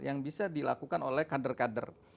yang bisa dilakukan oleh kader kader